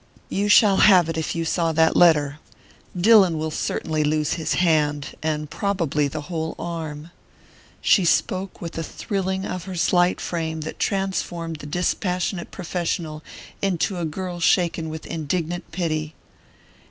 "You shall have it, if you saw that letter. Dillon will certainly lose his hand and probably the whole arm." She spoke with a thrilling of her slight frame that transformed the dispassionate professional into a girl shaken with indignant pity.